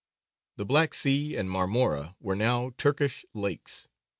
The Black Sea and Marmora were now Turkish lakes.